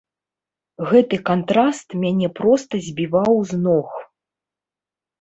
Гэты кантраст мяне проста збіваў з ног.